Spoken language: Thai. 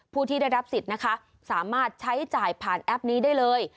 ผู้ที่ได้รับสิทธิ์นะคะสามารถใช้จ่ายผ่านแอปนี้ได้เลย